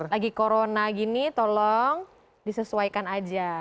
lagi corona gini tolong disesuaikan aja